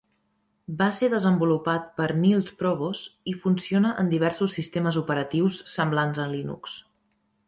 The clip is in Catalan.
Va ser desenvolupat per Niels Provos i funciona en diversos sistemes operatius semblants a Linux.